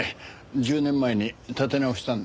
１０年前に建て直したんです。